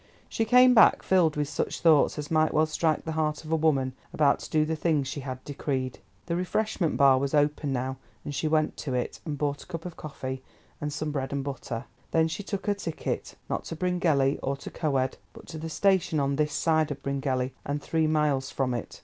She came back filled with such thoughts as might well strike the heart of a woman about to do the thing she had decreed. The refreshment bar was open now, and she went to it, and bought a cup of coffee and some bread and butter. Then she took her ticket, not to Bryngelly or to Coed, but to the station on this side of Bryngelly, and three miles from it.